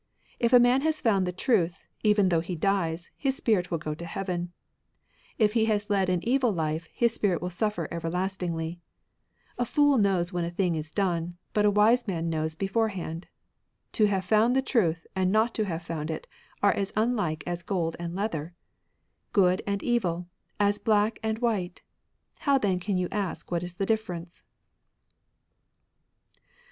If a man has found the truth, even though he dies, his spirit will go to heaven ; if he has led an evil life his spirit will suffer ever lastingly. A fool knows when a thing is done, but a wise man knows beforehand. To have found the truth and not to have found it are as unlike as gold and leather ; good and evil, as black and white. How then can you ask what is the differ ence